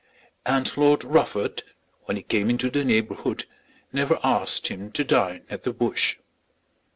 And Lord Rufford, when he came into the neighbourhood, never asked him to dine at the Bush.